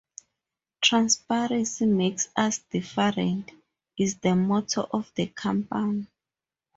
"Transparency makes us different" is the motto of the company.